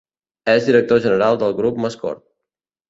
És director general del Grup Mascort.